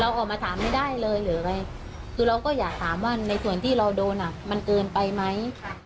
ออกมาถามไม่ได้เลยหรือไงคือเราก็อยากถามว่าในส่วนที่เราโดนอ่ะมันเกินไปไหม